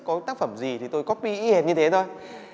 có tác phẩm gì thì tôi copy y hệt như thế thôi